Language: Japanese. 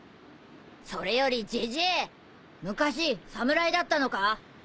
それよりジジー昔侍だったのか？